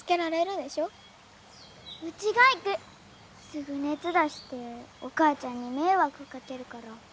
すぐ熱出してお母ちゃんに迷惑かけるから。